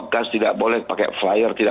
gas tidak boleh pakai flyer tidak